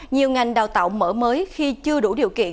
nhiều ngành đào tạo mở mới khi chưa đủ điều kiện